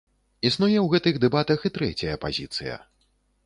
Існуе ў гэтых дэбатах і трэцяя пазіцыя.